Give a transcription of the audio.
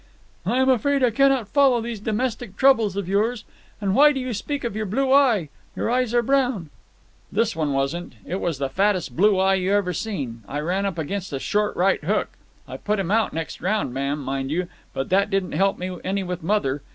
"I am afraid I cannot follow these domestic troubles of yours. And why do you speak of your blue eye? Your eyes are brown." "This one wasn't. It was the fattest blue eye you ever seen. I ran up against a short right hook. I put him out next round, ma'am, mind you, but that didn't help me any with mother.